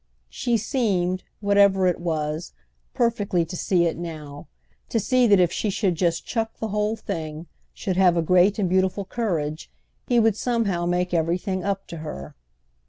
She seemed, whatever it was, perfectly to see it now—to see that if she should just chuck the whole thing, should have a great and beautiful courage, he would somehow make everything up to her.